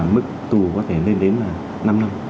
mức tù có thể lên đến năm năm